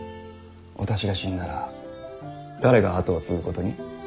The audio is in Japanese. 私が死んだら誰が跡を継ぐことに。